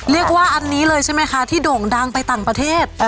เรียกว่าอันนี้เลยใช่ไหมคะที่โด่งดังไปต่างประเทศ